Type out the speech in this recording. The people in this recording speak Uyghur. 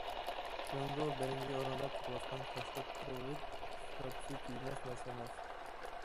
جۇڭگو بىرىنچى ئورۇندا تۇرۇۋاتقان تاشقى پېرېۋوت زاپىسى تۈگىمەس نەرسە ئەمەس.